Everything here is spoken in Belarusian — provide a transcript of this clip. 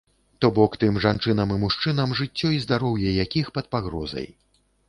То бок тым жанчынам і мужчынам, жыццё і здароўе якіх пад пагрозай.